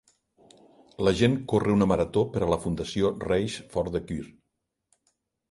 La gent corre una marató per a la Fundació Race for the Cure.